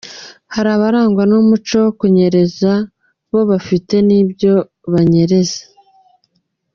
Hari abarangwa n’umuco wo kunyereza, bo bafite n’ibyo banyereza.